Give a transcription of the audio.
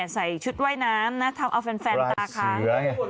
ใส่ชุดว่ายน้ำนะไม่ไล่สัว